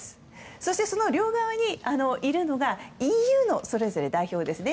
そして、その両側にいるのがＥＵのそれぞれ代表ですね。